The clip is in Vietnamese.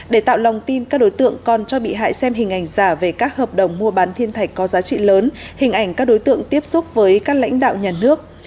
để tạo lòng tin các đối tượng còn cho bị hại xem hình ảnh giả về các hợp đồng mua bán thiên thạch có giá trị lớn hình ảnh các đối tượng tiếp xúc với các lãnh đạo nhà nước